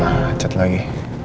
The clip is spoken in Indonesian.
nah acet lagi